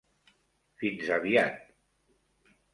-, fins aviat.